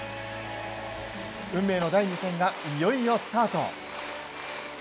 運命の第２戦がいよいよスタート。